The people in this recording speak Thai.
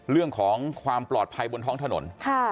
เรื่องของความปลอดภัยบนท้องถนน